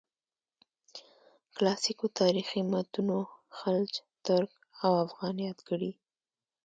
کلاسیکو تاریخي متونو خلج، ترک او افغان یاد کړي.